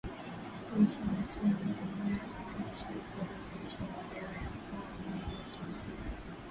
Nchi wanachama wa Jumuiya ya Afrika Mashariki waliwasilisha maombi yao ya kuwa mwenyeji wa taasisi .